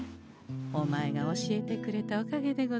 おまえが教えてくれたおかげでござんす。